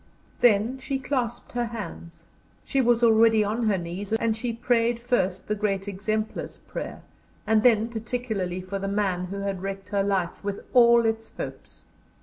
Then she clasped her hands. She was already on her knees, and she prayed first the great Exemplar's prayer, and then particularly for the man who had wrecked her life, with all its hopes.